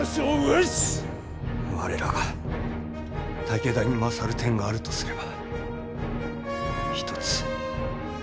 我らが武田に勝る点があるとすれば一つ。